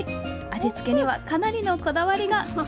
味付けにはかなりのこだわりが。